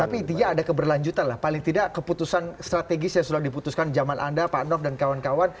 tapi intinya ada keberlanjutan lah paling tidak keputusan strategis yang sudah diputuskan zaman anda pak nof dan kawan kawan